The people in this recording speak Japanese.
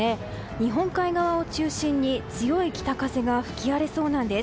日本海側を中心に強い北風が吹き荒れそうなんです。